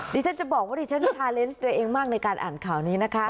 ดิฉันจะบอกว่าดิฉันชาเลนส์ตัวเองมากในการอ่านข่าวนี้นะคะ